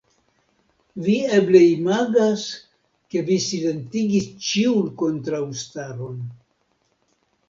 Vi eble imagas, ke vi silentigis ĉiun kontraŭstaron.